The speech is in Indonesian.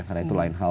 karena itu lain hal